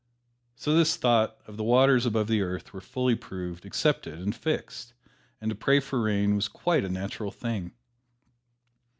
So this thought of the waters above the earth was fully proved, accepted and fixed, and to pray for rain was quite a natural thing.